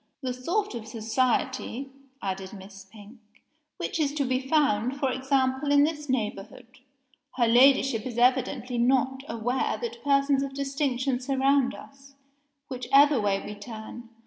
"The sort of society," added Miss Pink, "which is to be found, for example, in this neighborhood. Her Ladyship is evidently not aware that persons of distinction surround us, whichever way we turn.